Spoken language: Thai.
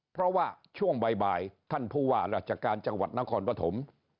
เพราะว่าช่วงบ่ายท่านผู้ว่าราชการจังหวัดนครปฐม